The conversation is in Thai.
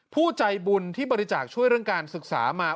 ผู้ใจบุญที่บริจาคช่วยเรื่องการศึกษามา